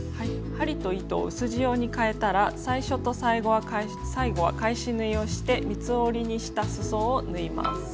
針と糸を薄地用にかえたら最初と最後は返し縫いをして三つ折りにしたすそを縫います。